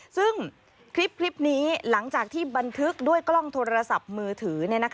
ซึ่งคลิปนี้หลังจากที่บันทึกด้วยกล้องโทรศัพท์มือถือ